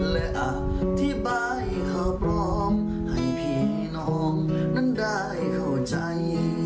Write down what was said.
และอธิบายข่าวปลอมให้พี่น้องนั้นได้เข้าใจ